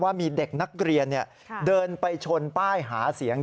ว่ามีเด็กนักเรียนเดินไปชนป้ายหาเสียง